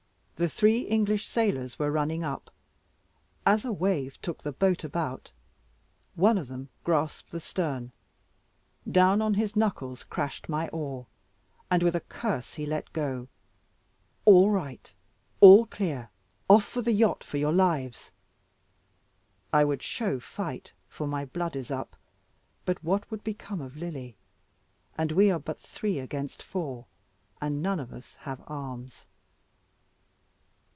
The three English sailors were running up. As a wave took the boat about, one of them grasped the stern; down on his knuckles crashed my oar, and with a curse he let go. All right, all clear, off for the yacht for your lives. I would show fight, for my blood is up, but what would become of Lily? And we are but three against four, and none of us have arms.